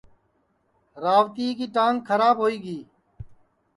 روتیئے کی ٹانگ کھراب ہوئی گی